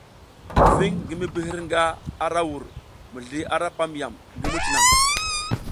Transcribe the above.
Viŋ ngi mi bi hirga ara ra vur, mizli ara pam yam ngi muc naŋ.